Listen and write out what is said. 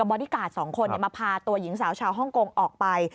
ก็ให้บอดี้การ์ส๓คนแล้วพาตัวหญิงสาวิ้งชาวฮ่องกงออกไป